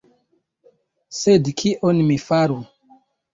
Sed, kion mi faru?